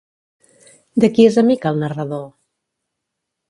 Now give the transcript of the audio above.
De qui és amic, el narrador?